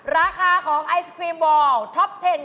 ราคาของไอศครีมวอลท็อปเทน